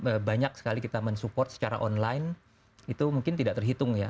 jadi kalau banyak sekali kita support secara online itu mungkin tidak terhitung ya